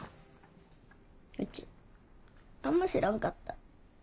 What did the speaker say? うち何も知らんかった。